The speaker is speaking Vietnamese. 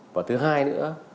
và thứ hai nữa